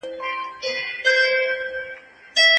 هیله ژوندۍ وساتئ.